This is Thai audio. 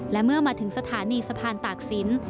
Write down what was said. และเมื่อมาถึงสถานีสะพานตากศิลป์